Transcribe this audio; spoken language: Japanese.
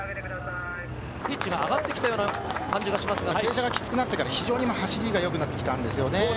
ピッチが上がってきたような傾斜がきつくなってから非常に今、走りがよくなってきたんですよね。